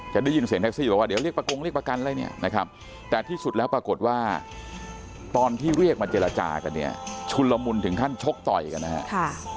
จะได้ยินเสียงแท็กซี่บอกว่าเดี๋ยวเรียกประกงเรียกประกันอะไรเนี่ยนะครับแต่ที่สุดแล้วปรากฏว่าตอนที่เรียกมาเจรจากันเนี่ยชุนละมุนถึงขั้นชกต่อยกันนะครับ